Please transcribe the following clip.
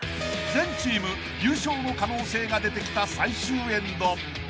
［全チーム優勝の可能性が出てきた最終エンド］